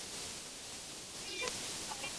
部分房屋屋顶的木瓦被风吹飞。